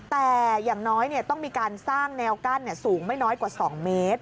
แต่อย่างน้อยต้องมีการสร้างแนวกั้นสูงไม่น้อยกว่า๒เมตร